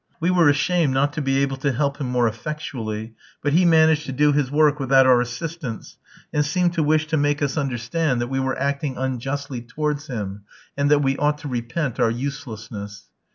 We were ashamed not to be able to help him more effectually, but he managed to do his work without our assistance, and seemed to wish to make us understand that we were acting unjustly towards him, and that we ought to repent our uselessness.